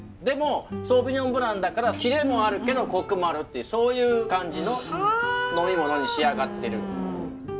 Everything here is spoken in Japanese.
でもソーヴィニヨン・ブランだからキレもあるけどコクもあるっていうそういう感じの飲み物に仕上がってる。